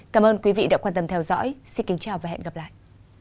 cảm ơn quý vị đã quan tâm theo dõi xin kính chào và hẹn gặp lại